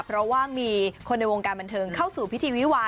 เพราะว่ามีคนในวงการบันเทิงเข้าสู่พิธีวิวา